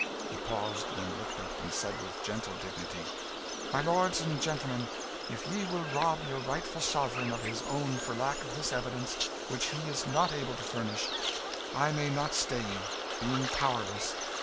He paused, then looked up, and said with gentle dignity, "My lords and gentlemen, if ye will rob your rightful sovereign of his own for lack of this evidence which he is not able to furnish, I may not stay ye, being powerless.